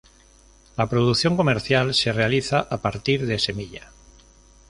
La producción comercial se realiza a partir de semilla.